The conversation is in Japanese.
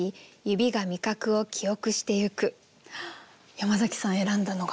山崎さん選んだのが！